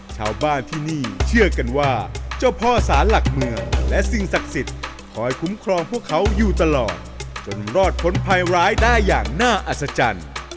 ชาวบ้านที่นี่เชื่อกันว่าเจ้าพ่อสารหลักเมืองและสิ่งศักดิ์สิทธิ์คอยคุ้มครองพวกเขาอยู่ตลอดจนรอดพ้นภัยร้ายได้อย่างน่าอัศจรรย์